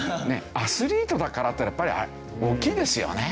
アスリートだからというのやっぱり大きいですよね。